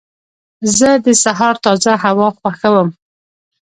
زه د سهار تازه هوا خوښوم.